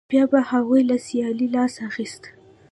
یا به هغوی له سیالۍ لاس اخیست